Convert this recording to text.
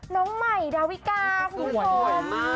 น้องใหม่ดาวิกาคุณผู้ชม